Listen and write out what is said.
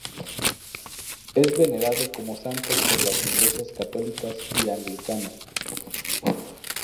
Es venerado como santo por las iglesias católica y anglicana.